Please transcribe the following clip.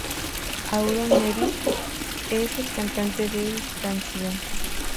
Aaron Neville es el cantante del canción.